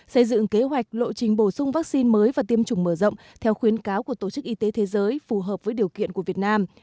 xây dựng kế hoạch lộ trình bổ sung vaccine mới và tiêm chủng mở rộng theo khuyến cáo của tổ chức y tế thế giới phù hợp với điều kiện của việt nam